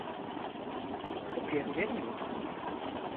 Okuyabilir miyim?